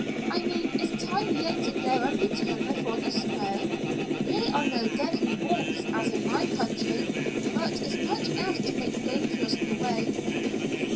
I mean is time yet to go and return before the snows? Here are no deadly wolves as in my own country but is much else to make dangerous the way."